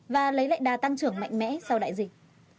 và lấy lại đà tăng trưởng mạnh mẽ sau đại dịch